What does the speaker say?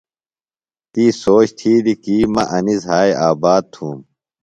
تی سوچ تِھیلیۡ کی مہ انیۡ زھائی آباد تُھوم۔